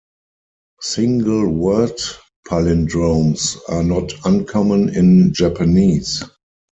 Single word palindromes are not uncommon in Japanese.